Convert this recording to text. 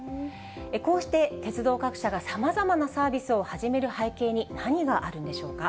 こうして鉄道各社がさまざまなサービスを始める背景に何があるんでしょうか。